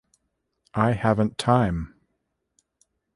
I haven't time.